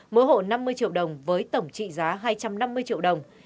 mỗi hộ năm mươi triệu đồng với tổng trị giá hai trăm năm mươi triệu đồng